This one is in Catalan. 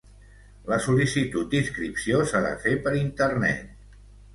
La sol·licitud d'inscripció s'ha de fer per Internet.